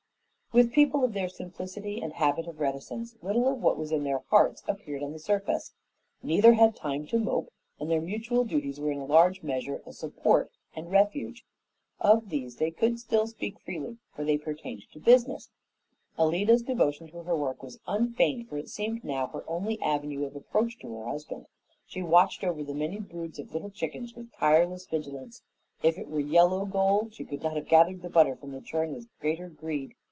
With people of their simplicity and habit of reticence, little of what was in their hearts appeared on the surface. Neither had time to mope, and their mutual duties were in a large measure a support and refuge. Of these they could still speak freely for they pertained to business. Alida's devotion to her work was unfeigned for it seemed now her only avenue of approach to her husband. She watched over the many broods of little chickens with tireless vigilance. If it were yellow gold, she could not have gathered the butter from the churn with greater greed.